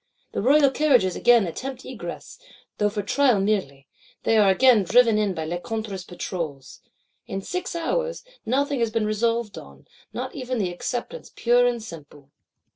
The royal Carriages again attempt egress;—though for trial merely; they are again driven in by Lecointre's Patrols. In six hours, nothing has been resolved on; not even the Acceptance pure and simple.